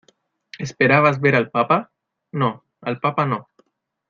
¿ esperabas ver al papa? no, al papa no.